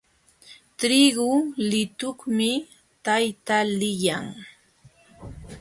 Trigu lutuqmi tayta liyan.